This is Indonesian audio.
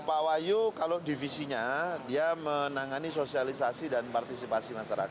pak wahyu kalau divisinya dia menangani sosialisasi dan partisipasi masyarakat